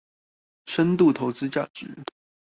深度投資價值